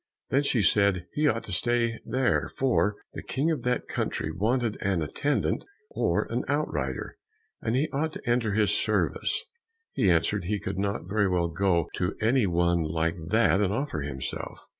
Then she said he ought to stay there, for the King of that country wanted an attendant or an outrider, and he ought to enter his service. He answered he could not very well go to any one like that and offer himself.